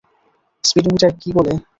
Speedometer কি বলে?